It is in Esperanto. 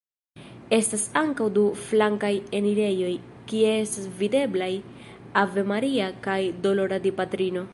Estas ankaŭ du flankaj enirejoj, kie estas videblaj Ave Maria kaj Dolora Dipatrino.